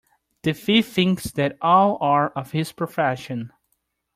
The thief thinks that all are of his profession.